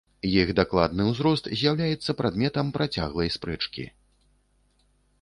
Іх дакладны ўзрост з'яўляецца прадметам працяглай спрэчкі.